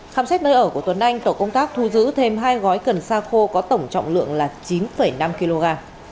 khám xét nơi ở của tuấn anh tổ công tác thu giữ thêm hai gói cần sa khô có tổng trọng lượng là chín năm kg